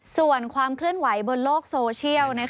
ส่วนความขึ้นไหวบนโลกโซเชียล